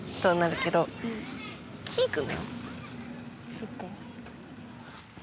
そっか。